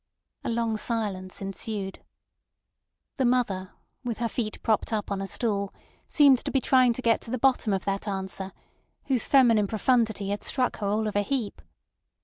A long silence ensued. The mother, with her feet propped up on a stool, seemed to be trying to get to the bottom of that answer, whose feminine profundity had struck her all of a heap.